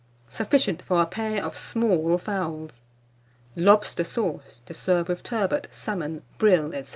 Sufficient for a pair of small fowls. LOBSTER SAUCE, to serve with Turbot, Salmon, Brill, &c.